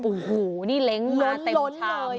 โอ้โฮนี่เล้งมาเต็มชามล้นเลย